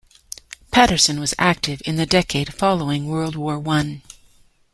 Patterson was active in the decade following World War I.